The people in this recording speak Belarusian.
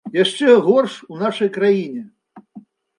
Яшчэ горш у нашай краіне.